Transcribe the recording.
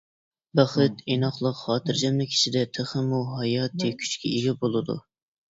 بەخت ئىناقلىق، خاتىرجەملىك ئىچىدە تېخىمۇ ھاياتىي كۈچكە ئىگە بولىدۇ.